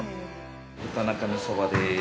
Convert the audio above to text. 豚中味そばです。